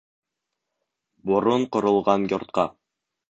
Борон ҡоролған йортҡа.